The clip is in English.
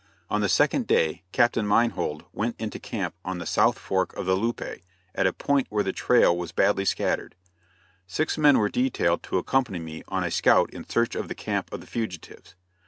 On the second day Captain Meinhold went into camp on the South Fork of the Loupe, at a point where the trail was badly scattered. Six men were detailed to accompany me on a scout in search of the camp of the fugitives.